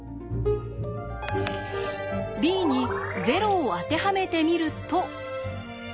「ｂ」に「０」を当てはめてみると。